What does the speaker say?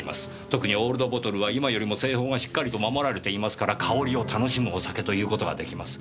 特にオールドボトルは今よりも製法がしっかりと守られていますから香りを楽しむお酒と言う事が出来ます。